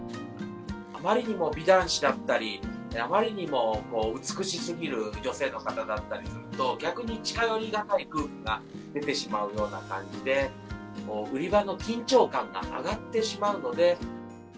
あまりにも美男子だったり、あまりにも美しすぎる女性の方だったりすると、逆に近寄りがたい空気が出てしまうような感じで、売り場の緊張感が上がってしまうので。